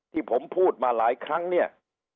ที่ผมพูดมาหลายครั้งเนี่ย